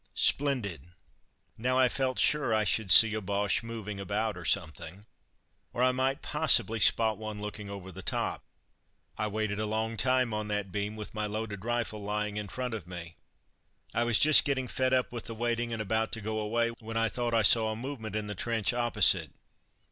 Splendid! Now I felt sure I should see a Boche moving about or something; or I might possibly spot one looking over the top. I waited a long time on that beam, with my loaded rifle lying in front of me. I was just getting fed up with the waiting, and about to go away, when I thought I saw a movement in the trench opposite.